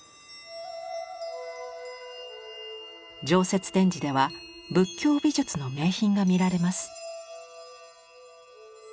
常設展示では仏教美術の名品が見られます。